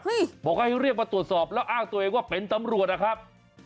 บอกว่าให้เรียกมาตรวจสอบแล้วอ้างตัวเองว่าเป็นตำรวจนะครับ